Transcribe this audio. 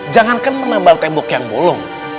jangankan menambal tembok yang bolong